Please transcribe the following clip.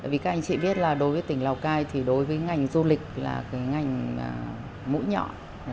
vì các anh chị biết là đối với tỉnh lào cai thì đối với ngành du lịch là cái ngành mũi nhọn